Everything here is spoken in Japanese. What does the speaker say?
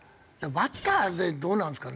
バッターでどうなんですかね？